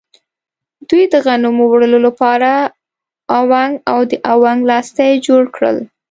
دوی د غنمو وړلو لپاره اونګ او د اونګ لاستی جوړ کړل.